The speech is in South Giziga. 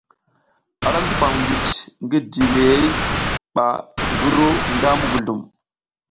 Ara slupam ngwici ngi dilihey ba ngi ru nga muguzlum.